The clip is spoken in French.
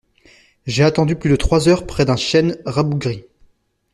J’ai attendu plus de trois heures près d’un chêne rabougri.